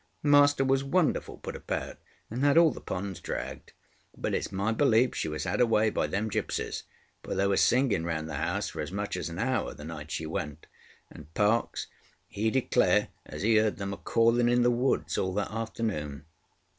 Master was wonderful put about, and had all the ponds dragged; but itŌĆÖs my belief she was had away by them gipsies, for there was singing round the house for as much as an hour the night she went, and Parkes, he declare as he heard them a calling in the woods all that afternoon.